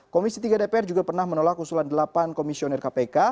komisi tiga dpr juga pernah menolak usulan delapan komisioner kpk